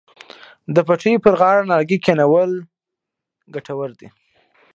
د پټیو پر غاړه نیالګي کینول ګټور دي.